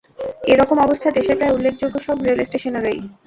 এ রকম অবস্থা দেশের প্রায় উল্লেখযোগ্য সব রেলস্টেশনেরই।